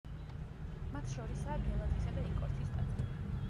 მათ შორისაა გელათისა და იკორთის ტაძრები.